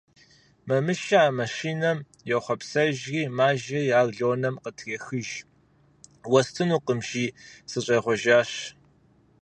Мамышэ а маршынэм йохъуэпсэжри мажэри ар Лонэм къытрехыж: «Уэстынукъым, – жи, – сыщӀегъуэжащ».